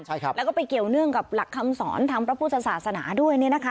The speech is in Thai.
ใช่ครับแล้วก็ไปเกี่ยวเนื่องกับหลักคำสอนทางพระพุทธศาสนาด้วยเนี่ยนะคะ